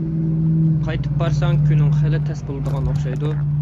قايتىپ بارساڭ، كۈنۈڭ خېلى تەس بولىدىغان ئوخشايدۇ.